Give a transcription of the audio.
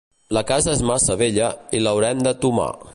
La casa és massa vella i l'haurem de tomar.